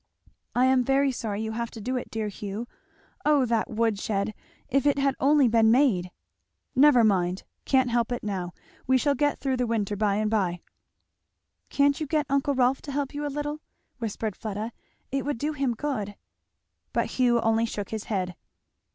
"I am very sorry you have to do it, dear Hugh Oh that wood shed! If it had only been made! " "Never mind can't help it now we shall get through the winter by and by." "Can't you get uncle Rolf to help you a little?" whispered Fleda; "It would do him good." But Hugh only shook his head.